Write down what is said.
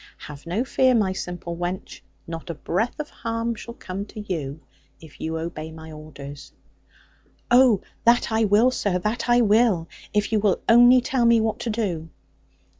Have no fear, my simple wench; not a breath of harm shall come to you, if you obey my orders.' 'Oh, that I will, sir, that I will: if you will only tell me what to do.'